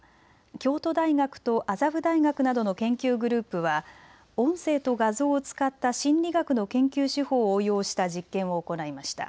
京都大学と麻布大学などの研究グループは音声と画像を使った心理学の研究手法を応用した実験を行いました。